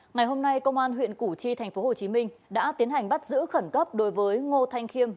ngày hôm nay công an huyện củ chi tp hcm đã tiến hành bắt giữ khẩn cấp đối với ngô thanh khiêm